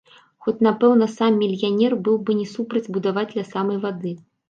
Хоць, напэўна, сам мільянер быў бы не супраць будаваць ля самай вады.